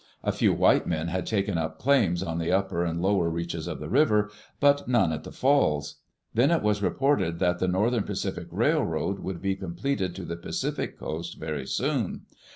A few white men had taken up claims on the upper and lower reaches of the river, but none at the falls. Then it was reported that the Northern Pacific Railroad would be com pleted to the Pacific coast very soon.